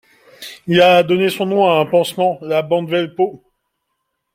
Il a donné son nom à un pansement, la bande Velpeau.